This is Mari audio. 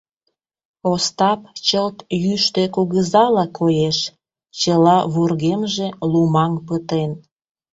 Остап чылт Йӱштӧ Кугызала коеш, чыла вургемже лумаҥ пытен.